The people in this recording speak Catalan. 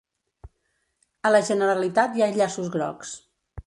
A la Generalitat hi ha llaços grocs